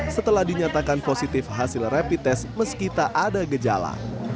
setelah dinyatakan positif hasil repites meskipun ada gejala